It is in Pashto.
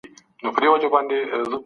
ایا راکده پانګه د بحران لامل کیږي؟